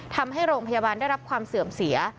ทำให้โรงพยาบาลได้รับความเสื่อมเสีย